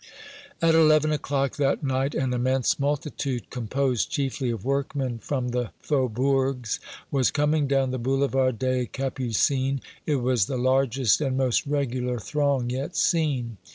At eleven o'clock that night an immense multitude, composed chiefly of workmen from the faubourgs, was coming down the Boulevard des Capucines. It was the largest and most regular throng yet seen.